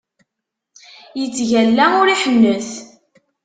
Yettgalla ur iḥennet!